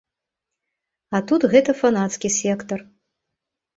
А тут гэта фанацкі сектар.